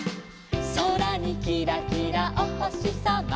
「そらにキラキラおほしさま」